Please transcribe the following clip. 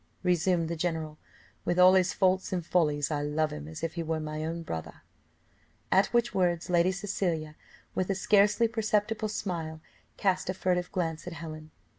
resumed the general; "with all his faults and follies, I love him as if he were my brother." At which words Lady Cecilia, with a scarcely perceptible smile, cast a furtive glance at Helen.